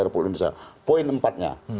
republik indonesia poin empat nya